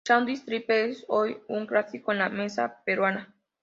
El sándwich triple es hoy un clásico en la mesa peruana.